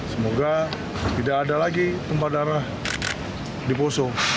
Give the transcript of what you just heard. semoga tidak ada lagi tempat darah di poso